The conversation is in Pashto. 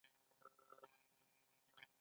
اهلیت د ګمارنې معیار دی